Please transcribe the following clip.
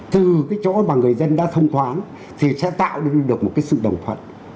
từ cái chỗ mà người dân đã thông thoáng thì sẽ tạo được một cái sự đồng thoảng